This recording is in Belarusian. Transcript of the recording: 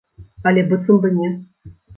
Але быццам бы не.